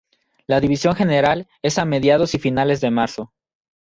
La división general es a mediados y finales de marzo.